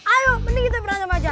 ayo mending kita berantem aja